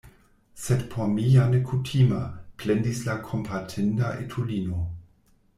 "Sed por mi ja ne kutima," plendis la kompatinda etulino.